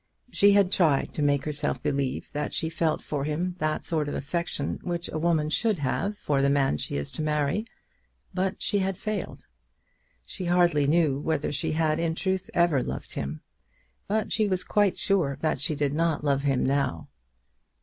She had tried to make herself believe that she felt for him that sort of affection which a woman should have for the man she is to marry, but she had failed. She hardly knew whether she had in truth ever loved him; but she was quite sure that she did not love him now.